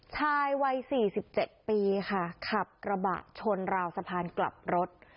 ชายวัย๔๗ปีค่ะขับกระบะชนราวสะพานกลับรถ